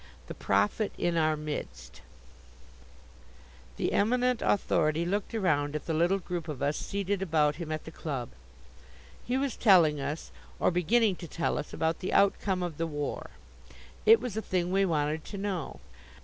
The Prophet in Our Midst The Eminent Authority looked around at the little group of us seated about him at the club. He was telling us, or beginning to tell us, about the outcome of the war. It was a thing we wanted to know.